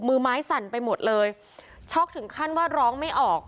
มือไม้สั่นไปหมดเลยช็อกถึงขั้นว่าร้องไม่ออก